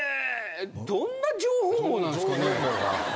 どんな情報網なんすかね？